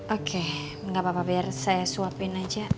oke gapapa biar saya suapin aja